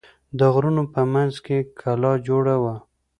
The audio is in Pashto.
د غرونو په منځ کې کلا جوړه وه.